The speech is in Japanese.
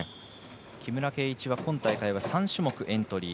木村敬一は今大会は３種目エントリー。